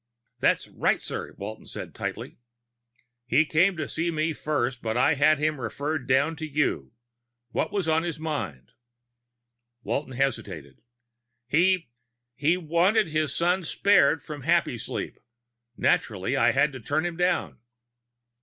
"That's right, sir," Walton said tightly. "He came to see me first, but I had him referred down to you. What was on his mind?" Walton hesitated. "He he wanted his son spared from Happysleep. Naturally, I had to turn him down."